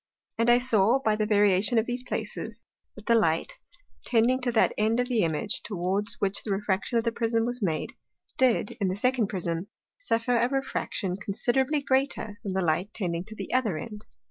And I saw by the Variation of those places, that the Light, tending to that end of the Image, towards which the Refraction of the first Prism was made, did, in the second Prism, suffer a Refraction considerably greater than the Light tending to the other end.